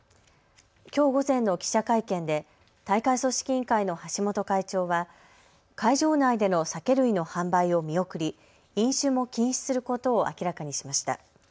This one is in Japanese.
きょう午前の記者会見で大会組織委員会の橋本会長は会場内での酒類の販売を見送り飲酒も禁止することを明らかにしました。